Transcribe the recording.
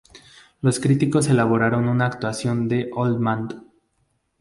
Los críticos alabaron la actuación de Oldman.